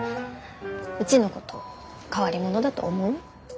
うちのこと変わり者だと思う？